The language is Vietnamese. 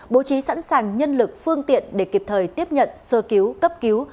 bố trí sẵn sàng nhân lực phương tiện để kịp thời tiếp nhận sơ cứu cấp cứu